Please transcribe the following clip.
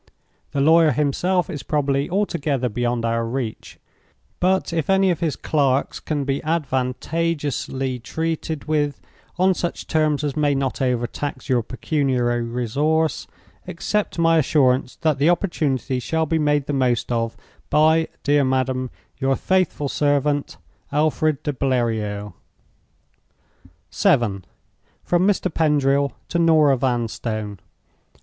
The lawyer himself is probably altogether beyond our reach. But if any one of his clerks can be advantageously treated with on such terms as may not overtax your pecuniary resources, accept my assurance that the opportunity shall be made the most of by, "Dear madam, "Your faithful servant, "ALFRED DE BLERIOT." VII. From Mr. Pendril to Norah Vanstone.